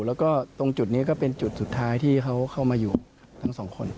แล้วก็ตรงจุดนี้ก็เป็นจุดสุดท้ายที่เขาเข้ามาอยู่ทั้งสองคน